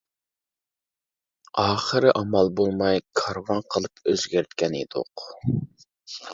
ئاخىرى ئامال بولماي كارۋان قىلىپ ئۆزگەرتكەن ئىدۇق!